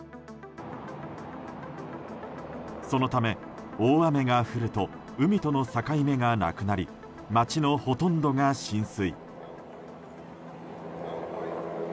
そのため大雨が降ると海との境目がなくなり街のほとんどが浸水。